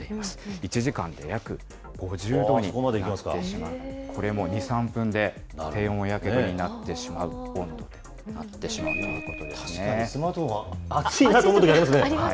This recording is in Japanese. １時間で約５０度になってしまう、これも２、３分で低温やけどになってしまう温度になってしまうと確かにスマートフォン、熱いありますね。